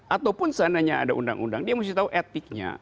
ataupun seandainya ada undang undang dia mesti tahu etiknya